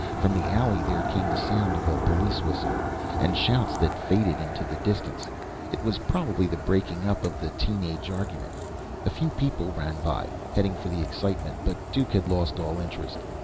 From the alley, there came the sound of a police whistle, and shouts that faded into the distance. It was probably the breaking up of the teen age argument. A few people ran by, heading for the excitement, but Duke had lost all interest.